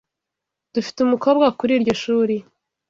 Dufite umukobwa kuri iryo shuri.